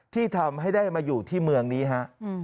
ที่ทำให้ได้มาอยู่ที่เมืองนี้ฮะ